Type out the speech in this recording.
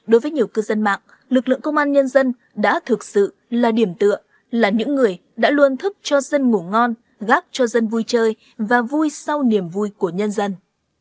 đối với nhiều cư dân mạng lực lượng công an nhân dân đã thực sự là điểm tựa là những người đã luôn thức cho dân ngủ ngon gác cho dân vui chơi và vui sau niềm vui của nhân dân